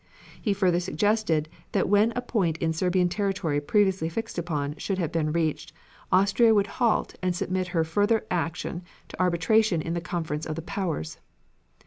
He further suggested that when a point in Serbian territory previously fixed upon should have been reached, Austria would halt and would submit her further action to arbitration in the conference of the Powers.